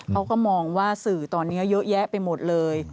เขาก็มองว่าสื่อตอนนี้เยอะแยะไปหมดเลย